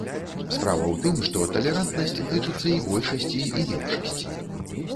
Справа ў тым, што талерантнасць тычыцца і большасці, і меншасці.